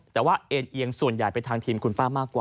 แต่ว่าเอ็นเอียงส่วนใหญ่ไปทางทีมคุณป้ามากกว่า